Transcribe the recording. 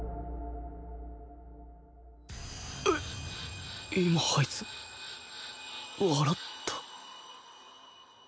えっ今あいつ笑った？